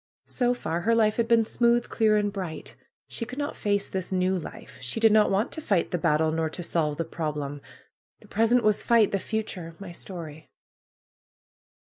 So far her life had been smooth, clear and bright. She could not face this new life. She did not want to fight the battle; nor to solve the problem. The pres ent was fight; the future — my story.